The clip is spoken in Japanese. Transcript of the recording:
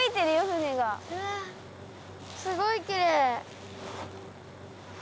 うわすごいきれい。